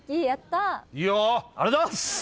ありがとうございます。